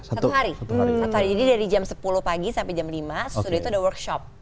satu hari jadi dari jam sepuluh pagi sampai jam lima setelah itu ada workshop